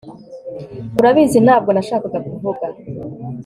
urabizi ntabwo nashakaga kuvuga